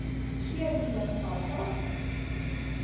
Kiel vi mem fartas?